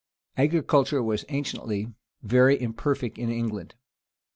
Agriculture was anciently very imperfect in England.